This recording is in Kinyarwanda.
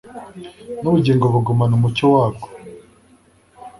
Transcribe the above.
n'ubugingo bugumana umucyo wabwo